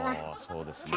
そうですね。